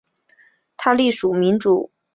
他隶属民主党籍。